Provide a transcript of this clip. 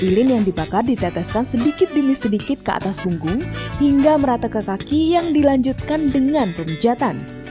lilin yang dibakar diteteskan sedikit demi sedikit ke atas punggung hingga merata ke kaki yang dilanjutkan dengan pemijatan